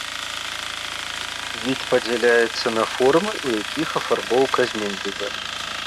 Від падзяляецца на формы, у якіх афарбоўка зменлівая.